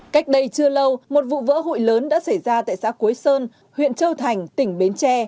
cách đây chưa lâu một vụ vỡ hội lớn đã xảy ra tại xã quế sơn huyện châu thành tỉnh bến tre